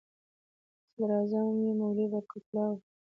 صدراعظم یې مولوي برکت الله و.